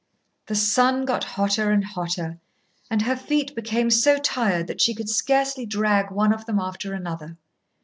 The sun got hotter and hotter, and her feet became so tired that she could scarcely drag one of them after another.